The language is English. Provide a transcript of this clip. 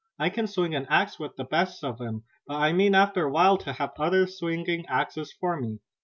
I can swing an axe with the best of 'em, but I mean after a while to have others swinging axes for me.